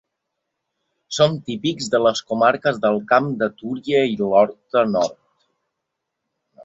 Són típics de les comarques del Camp de Túria i l'Horta Nord.